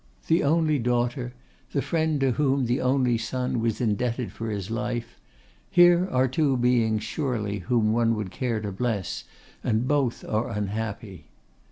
The only daughter, the friend to whom the only son was indebted for his life, here are two beings surely whom one would care to bless, and both are unhappy.